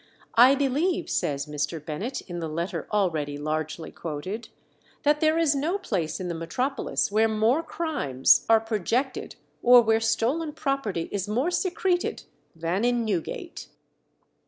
"I believe," says Mr. Bennet in the letter already largely quoted, "that there is no place in the metropolis where more crimes are projected or where stolen property is more secreted than in Newgate."